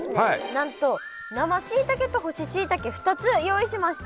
なんと生しいたけと干ししいたけ２つ用意しました。